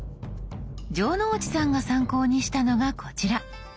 城之内さんが参考にしたのがこちら。